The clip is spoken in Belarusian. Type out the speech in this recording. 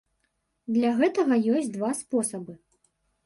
Для гэтага ёсць два спосабы.